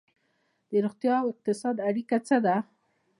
د روغتیا او اقتصاد اړیکه څه ده؟